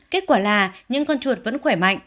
kết quả là những con chuột vẫn khỏe mạnh